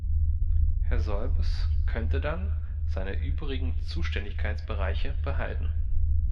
Herr Solbes könnte dann seine übrigen Zuständigkeitsbereiche behalten.